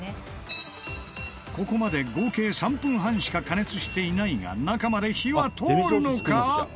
ここまで合計３分半しか加熱していないが中まで火は通るのか？